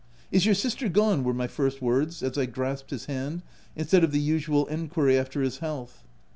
" Is your sister gone ?" were my first words as I grasped his hand, instead of the usual en quiry after his health.